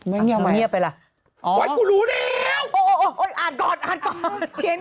ไม่เงียบไปล่ะโอ้ยกูรู้แล้วอ่านก่อนอ่านก่อน